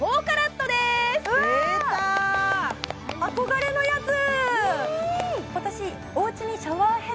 出た憧れのやつ！